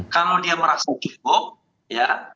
kalau dia merasa cukup ya